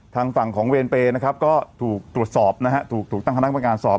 ทางฝั่งของเวรเปย์นะครับก็ถูกตรวจสอบนะฮะถูกตั้งคณะประการสอบ